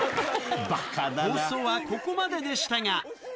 放送はここまででしたが。